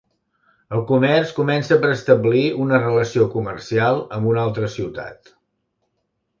El comerç comença per establir una relació comercial amb una altra ciutat.